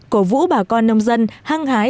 cổ vũ bà con nông dân hăng hái